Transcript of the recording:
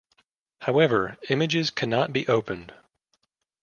However, images cannot be opened.